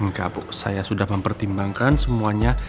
enggak bu saya sudah mempertimbangkan semuanya